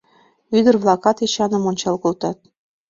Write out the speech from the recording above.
Ӱдыр-влакат Эчаным ончал колтат.